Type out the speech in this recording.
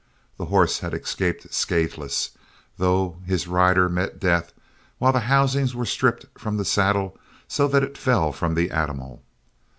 The horse had escaped scathless, though his rider met death, while the housings were stripped from the saddle so that it fell from the animal.